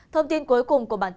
thông tin cuối cùng của bản tin